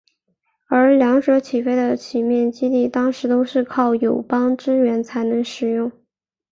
而两者起飞的地面基地当时都是靠友邦支援才能使用。